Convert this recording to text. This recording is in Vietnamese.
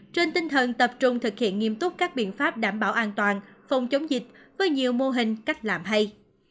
trên tinh thần tập trung thực hiện nghiêm túc các biện pháp đảm bảo an toàn phòng chống dịch với nhiều mô hình cách làm hay